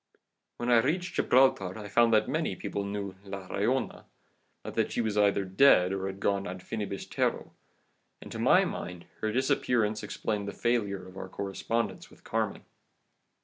When I reached Gibraltar I found that many people knew La Rollona, but that she was either dead or had gone ad finibus terroe,* and, to my mind, her disappearance explained the failure of our correspondence with Carmen.